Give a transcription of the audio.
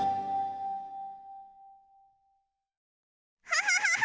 ハハハハ！